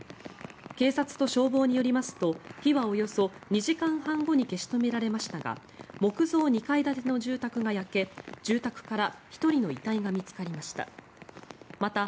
警察と消防によりますと火はおよそ２時間半後に消し止められましたが木造２階建ての住宅が焼け住宅から１人の遺体が見つかりました。